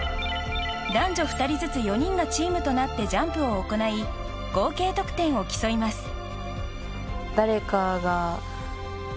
男女２人ずつ４人がチームとなってジャンプを行い合計得点を競います。